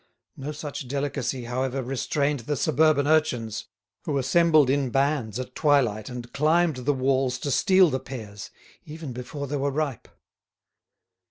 No such delicacy, however, restrained the suburban urchins, who assembled in bands at twilight and climbed the walls to steal the pears, even before they were ripe.